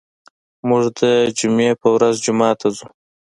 موږ د جمعې په ورځ جومات ته ځو.